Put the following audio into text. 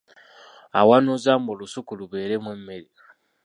Awanuuza mbu olusuku lubeeremu emmere